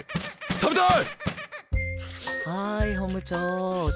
食べたい。